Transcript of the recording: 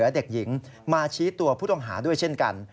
โดยผู้ต้องหาด้วยเช่นกัน